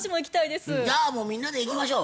じゃあもうみんなで行きましょう。